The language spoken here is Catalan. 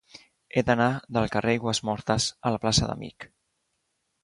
He d'anar del carrer d'Aigüesmortes a la plaça d'Amich.